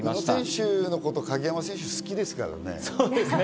宇野選手のこと、鍵山選手は好きですからね。